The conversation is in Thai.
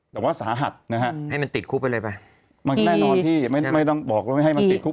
แต่ว่าสาหัสนะฮะให้มันติดคุกไปเลยไปมันก็แน่นอนที่ไม่ไม่ต้องบอกว่าไม่ให้มันติดคุก